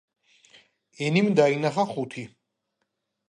ენიმ დაინახა ხუთი.